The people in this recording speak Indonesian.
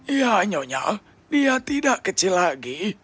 iya nyonya dia tidak kecil lagi